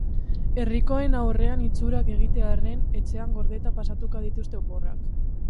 Herrikoen aurrean itxurak egitearren, etxean gordeta pasatuko dituzte oporrak.